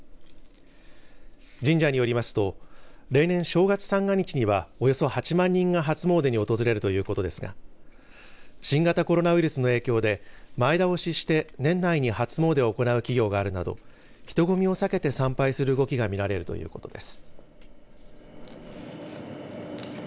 神社によりますと例年、正月三が日にはおよそ８万人が初詣に訪れるということですが新型コロナウイルスの影響で前倒しして年内に初詣を行う企業があるなど人ごみを避けて参拝する動きが見られるということです。